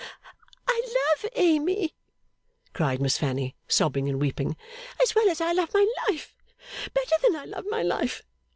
'I love Amy,' cried Miss Fanny, sobbing and weeping, 'as well as I love my life better than I love my life.